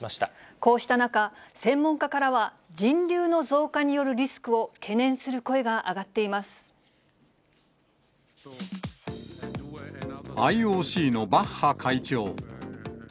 こうした中、専門家からは人流の増加によるリスクを懸念する声が上がっていまＩＯＣのバッハ会長。